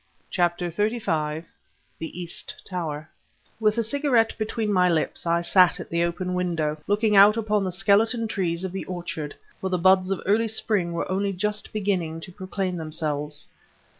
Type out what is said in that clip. CHAPTER XXXV THE EAST TOWER With a cigarette between my lips I sat at the open window, looking out upon the skeleton trees of the orchard; for the buds of early spring were only just beginning to proclaim themselves.